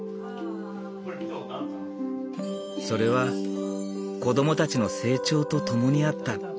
それは子供たちの成長とともにあった。